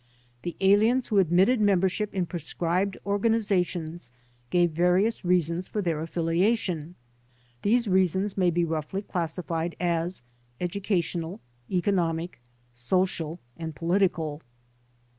The aliens who admitted member ship in proscribed organizations gave various reasons for their affiliation. These reasons may be roughly classi fied as educational, economic, social and political.